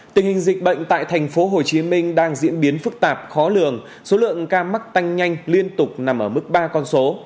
tình hình dịch bệnh tại thành phố hồ chí minh đang diễn biến phức tạp khó lường số lượng ca mắc tanh nhanh liên tục nằm ở mức ba con số